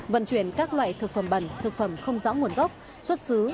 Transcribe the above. vận chuyển các loại thực phẩm bẩn thực phẩm không rõ nguồn gốc xuất xứ